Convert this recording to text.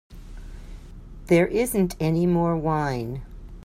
There isn't any more wine.